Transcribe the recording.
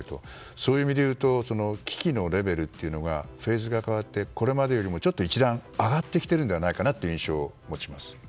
そういう意味で言うと危機のフェーズが変わってこれまでよりも、一段上がってきているという印象を持ちます。